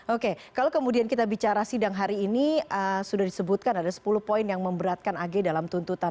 oke kalau kemudian kita bicara sidang hari ini sudah disebutkan ada sepuluh poin yang memberatkan ag dalam tuntutan